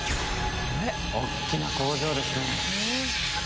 大っきな工場ですね。